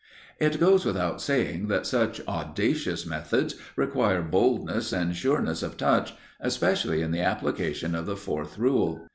It goes without saying that such audacious methods require boldness and sureness of touch, especially in the application of the fourth rule.